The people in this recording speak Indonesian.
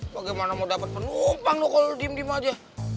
bagaimana mau dapat penumpang loh kalo dim dim aja